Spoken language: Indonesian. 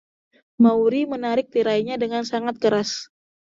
Maury menarik tirainya dengan sangat keras.